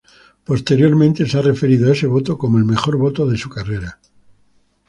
Posteriormente, se ha referido a ese voto como el mejor voto de su carrera.